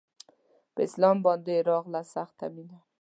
په اسلام باندې يې راغله سخته مينه